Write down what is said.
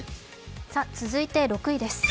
続いて６位です。